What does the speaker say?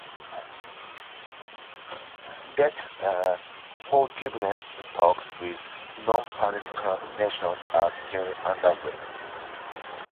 Debt forgiveness talks with non-Paris Club nations are still under way.